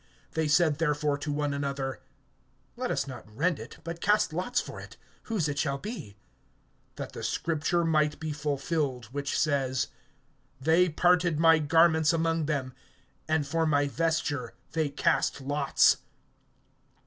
(24)They said therefore to one another: Let us not rend it, but cast lots for it, whose it shall be; that the scripture might be fulfilled which says: They parted my garments among them. And for my vesture they cast lots.